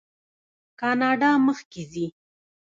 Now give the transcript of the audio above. کاناډا مخکې ځي.